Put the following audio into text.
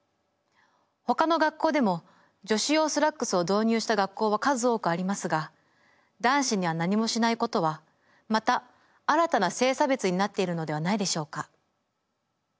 他の学校でも女子用スラックスを導入した学校は数多くありますが男子には何もしないことはまた新たな性差別になっているのではないでしょうか。